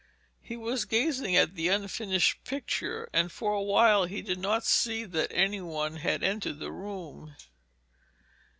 He was gazing at the unfinished picture, and for a while he did not see that any one had entered the room.